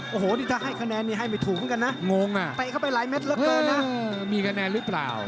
โอ้โหนี่ถ้าให้คะแนนนี่ให้ไม่ถูกเหมือนกันนะงงอ่ะเตะเข้าไปหลายเม็ดเหลือเกินนะมีคะแนนหรือเปล่า